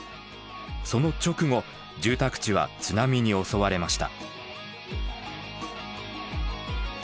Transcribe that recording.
その直後住宅地は津波に襲われました。